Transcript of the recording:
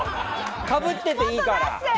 かぶってていいから！